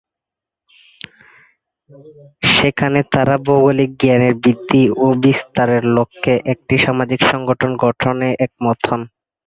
সেখানে তাঁরা ভৌগোলিক জ্ঞানের বৃদ্ধি ও বিস্তারের লক্ষ্যে একটি সামাজিক সংগঠন গঠনে একমত হন।